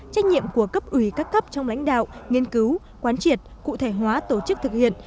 trách nhiệm của cấp ủy các cấp trong lãnh đạo nghiên cứu quán triệt cụ thể hóa tổ chức thực hiện